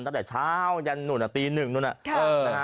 ตั้งแต่เช้เลย้านหนูหน้าตีหนึ่งนู่น่ะใช่นะคะ